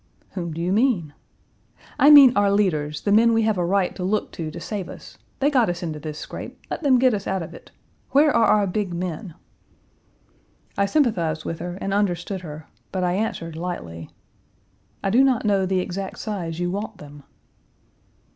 "Whom do you mean?" "I Page 227 mean our leaders, the men we have a right to look to to save us. They got us into this scrape. Let them get us out of it. Where are our big men?" I sympathized with her and understood her, but I answered lightly, "I do not know the exact size you want them."